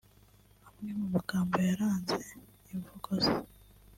Amwe mu magambo yaranze imvugo ze